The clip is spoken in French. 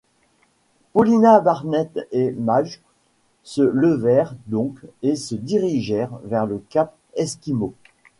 Paulina Barnett et Madge se levèrent donc et se dirigèrent vers le cap Esquimau.